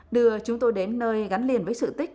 đưa chúng tôi đến nơi gắn liền với sự tình yêu